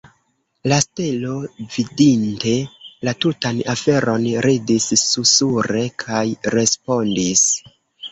La stelo, vidinte la tutan aferon, ridis susure kaj respondis.